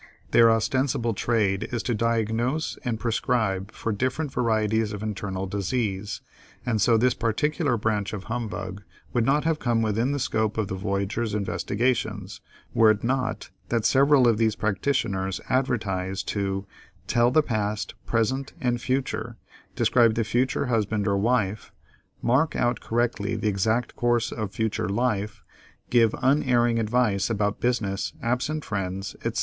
Their ostensible trade is to diagnose and prescribe for different varieties of internal disease, and so this particular branch of humbug would not have come within the scope of the voyager's investigations, were it not that several of these practitioners advertise to "tell the past, present, and future, describe the future husband or wife, mark out correctly the exact course of future life, give unerring advice about business, absent friends, etc."